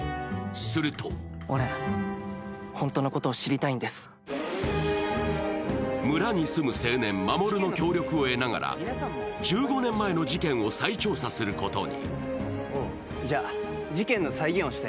すると村に住む青年・守の協力をえながら１５年前の事件を再調査することに。